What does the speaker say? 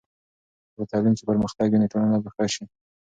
که په تعلیم کې پرمختګ وي، نو ټولنه به ښه شي.